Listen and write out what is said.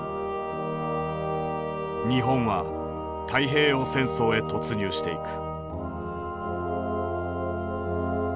日本は太平洋戦争へ突入していく。